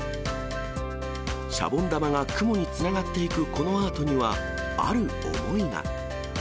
シャボン玉が雲につながっていくこのアートには、ある思いが。